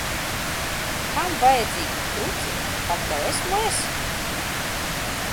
Kam vajadzīgi kruķi, kad tev esmu es?